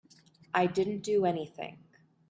I didn't do anything.